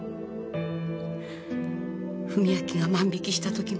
史明が万引きした時も。